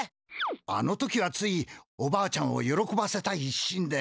あの時はついおばあちゃんをよろこばせたい一心で。